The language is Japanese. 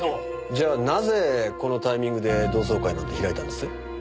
じゃあなぜこのタイミングで同窓会なんて開いたんです？